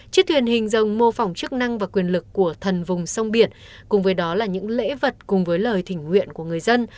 chiếc thuyền hình rồng mô phỏng chức năng và quyền lực của thần vùng sông biển cùng với đó là những lễ vật cùng với lời thỉnh nguyện của người dân